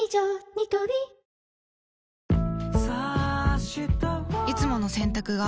ニトリいつもの洗濯が